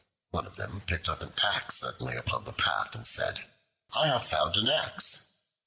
One of them picked up an axe that lay upon the path, and said, "I have found an axe."